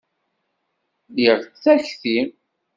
Liɣ takti.